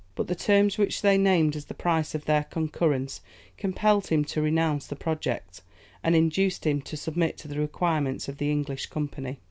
But the terms which they named as the price of their concurrence compelled him to renounce the project, and induced him to submit to the requirements of the English Company.